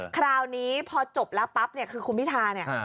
คราวนี้พอจบแล้วปั๊บเนี่ยคือคุณพิธาเนี่ย